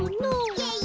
イエイ！